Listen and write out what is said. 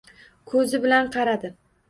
Ko’zi bilan qaradi.